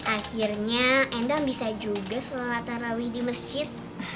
akhirnya endang bisa juga selalat arawi di masjid